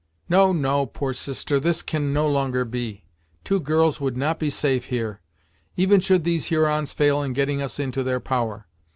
"No, no poor sister this can no longer be. Two girls would not be safe here, even should these Hurons fail in getting us into their power.